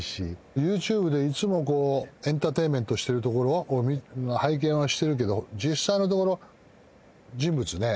ＹｏｕＴｕｂｅでいつもエンターテインメントしてるところ拝見はしてるけど実際のところ人物ね。